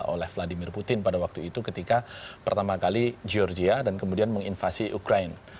oleh vladimir putin pada waktu itu ketika pertama kali georgia dan kemudian menginvasi ukraine